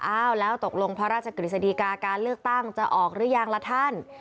อ้าวแล้วตกลงพระราชกฤษฎีกาการเลือกตั้งจะออกหรือยังล่ะท่าน